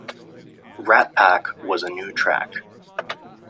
"Rat Pack" was a new track.